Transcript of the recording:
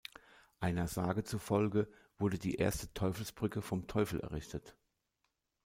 Einer Sage zufolge wurde die erste Teufelsbrücke vom Teufel errichtet.